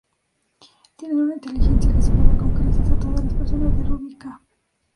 Tienen una inteligencia que supera con creces a todas las personas de Rubi-Ka.